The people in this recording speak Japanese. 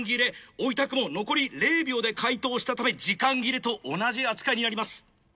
おいたくも残り０秒で解答したため時間切れと同じ扱いになります。